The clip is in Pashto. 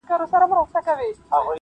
کله لس کله پنځلس کله شل وي -